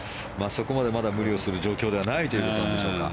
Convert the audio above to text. そこまでまだ無理をする状況ではないということなんでしょうか。